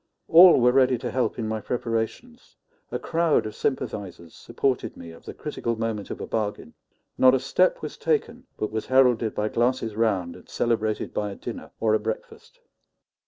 All were ready to help in my preparations; a crowd of sympathizers supported me at the critical moment of a bargain; not a step was taken but was heralded by glasses round and celebrated by a dinner or a breakfast.